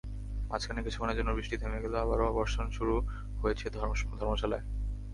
মাঝখানে কিছুক্ষণের জন্য বৃষ্টি থেমে গেলেও আবারও বর্ষণ শুরু হয়েছে ধর্মশালায়।